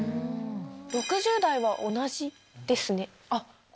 ６０代は同じですね。